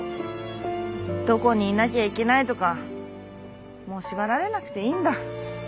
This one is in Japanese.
どこにいなきゃいけないとかもう縛られなくていいんだ。